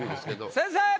先生！